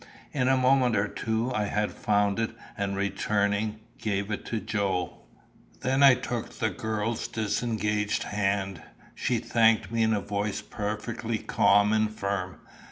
In a moment or two I had found it, and returning, gave it to Joe. Then I took the girl's disengaged hand. She thanked me in a voice perfectly calm and firm.